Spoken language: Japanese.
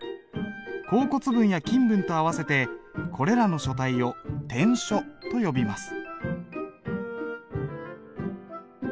甲骨文や金文と合わせてこれらの書体を篆書と呼びます。